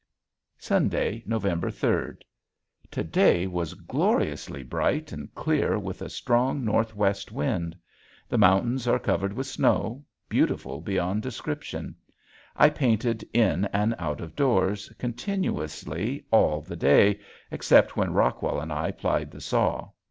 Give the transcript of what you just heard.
Sunday, November third. To day was gloriously bright and clear with a strong northwest wind. The mountains are covered with snow, beautiful beyond description. I painted in and out of doors continuously all the day except when Rockwell and I plied the saw.